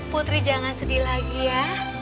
putri jangan sedih lagi ya